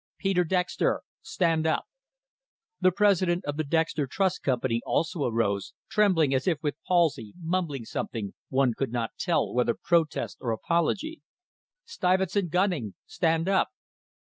"Peter Dexter! Stand up!" The president of the Dexter Trust Company also arose, trembling as if with palsy, mumbling something, one could not tell whether protest or apology. "Stuyvesant Gunning! Stand up!"